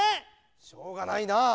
しょうがないなあ！